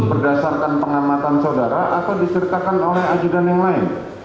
berdasarkan pengamatan saudara atau diceritakan oleh ajudan yang lain